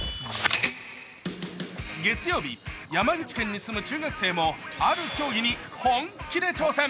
月曜日、山口県に住む中学生もある競技に本気で挑戦。